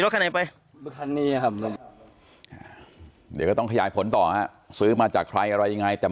เดี๋ยวก็ต้องขยายผลต่อซื้อมาจากใครอะไรยังไงจะมาอยู่ในรถนะครับ